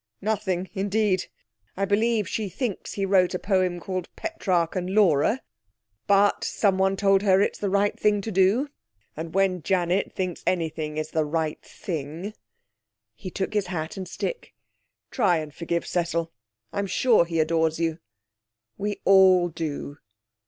'Nothing, indeed. I believe she thinks he wrote a poem called "Petrarch and Laura." But someone told her it's the right thing to do; and when Janet thinks anything is the right thing !' He took his hat and stick. 'Try and forgive Cecil. I'm sure he adores you. We all do.'